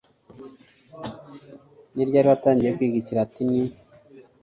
Ni ryari watangiye kwiga ikilatini